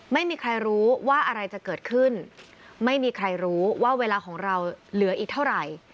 ไม่มีใครรู้ว่าอะไรจะเกิดขึ้นไม่มีใครรู้ว่าเวลาของเราเหลืออีกเท่าไหร่